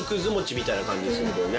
みたいな感じするけどね。